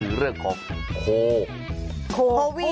คือเรื่องของโควิด